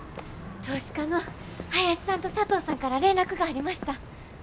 投資家の林さんと佐藤さんから連絡がありました。